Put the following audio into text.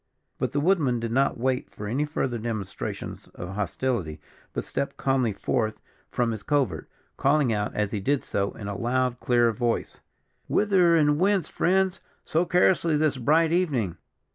But the woodman did not wait for any further demonstrations of hostility, but stepped calmly forth from his covert, calling out, as he did so, in a loud, clear voice: "Whither, and whence, friends, so carelessly this bright evening?"